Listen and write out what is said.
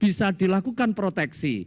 bisa dilakukan proteksi